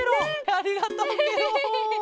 ありがとうケロ。